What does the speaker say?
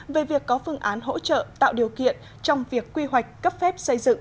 về việc có phương án hỗ trợ tạo điều kiện trong việc quy hoạch cấp phép xây dựng